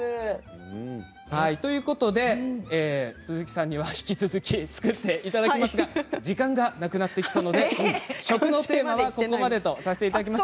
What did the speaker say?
鈴木さんには引き続き作っていただきますが時間がなくなってきたので食のテーマはここまでとさせていただきます。